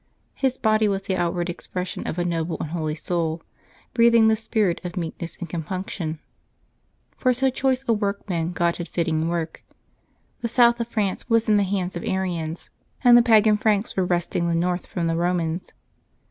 His body was the outward expression of a noble and holy soul, breatiiing the spirit of meekness and compunction. For so choice a workman God had fitting work. The South of France was in the hands of Arians, and the pagan Franks were wresting the North from the Eomans.